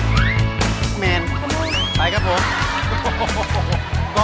เทมแมนไปกับผมโอ้โหโอ้โหโอ้โหโอ้โห